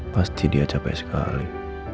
pasti dia capek sekali